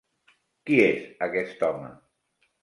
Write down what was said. Qui és aquest home?